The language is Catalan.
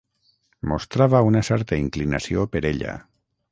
Mostrava una certa inclinació per ella.